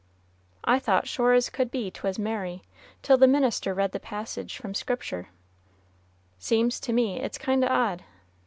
I thought sure as could be 'twas Mary, till the minister read the passage from Scriptur'. Seems to me it's kind o' odd.